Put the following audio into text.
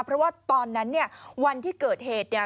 เพราะว่าตอนนั้นเนี่ยวันที่เกิดเหตุเนี่ย